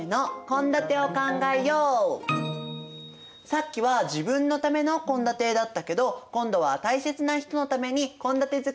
さっきは自分のための献立だったけど今度は大切な人のために献立づくりをしていきます。